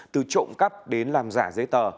từ trộm cắp đến làm giả dây tờ